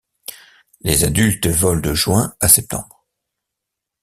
Les adultes volent de juin à septembre.